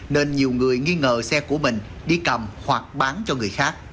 nên nhiều người nghi ngờ xe của mình đi cầm hoặc bán cho người khác